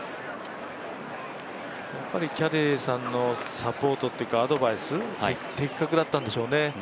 キャディーさんのサポートというかアドバイス、的確だったんでしょうね。